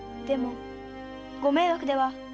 でもご迷惑では。